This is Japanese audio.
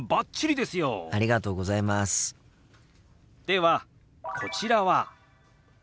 ではこちらは。